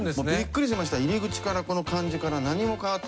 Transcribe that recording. びっくりしました入り口からこの感じから。